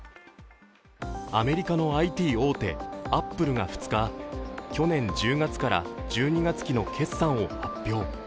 アメリカのＩＴ大手・アップルが２日、去年１０月から１２月期の決算を発表。